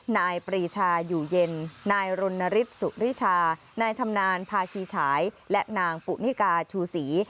นายปรีชาอยู่เย็นนายรณฤทธิสุริชานายชำนาญภาคีฉายและนางปุนิกาชูศรี